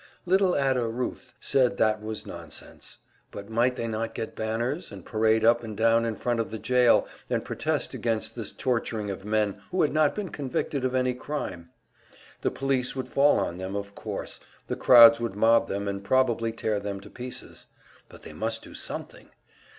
Little Ada Ruth said that was nonsense; but might they not get banners, and parade up and down in front of the jail, protesting against this torturing of men who had not been convicted of any crime? The police would fall on them, of course, the crowds would mob them and probably tear them to pieces, but they must do something.